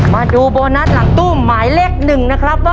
มาดูโบนัสหลังตู้หมายเลข๑นะครับว่า